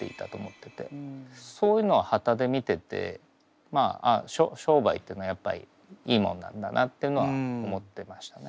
そういうのをはたで見てて商売っていうのはやっぱりいいもんなんだなっていうのは思ってましたね。